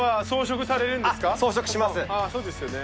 そうですよね。